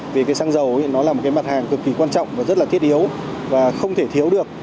vì cái xăng dầu nó là một cái mặt hàng cực kỳ quan trọng và rất là thiết yếu và không thể thiếu được